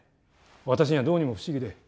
私にはどうにも不思議で。